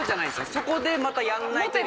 そこでまたやらない。